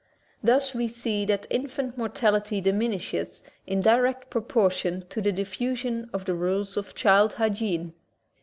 Thus we see that infant mortality diminishes in direct proportion to the diffusion of the rules of child hygiene.